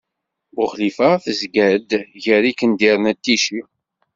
Buxlifa tezga-d gar Ikendiren d Ticci.